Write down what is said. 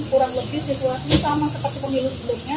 kurang lebih situasinya sama seperti pemilu sebelumnya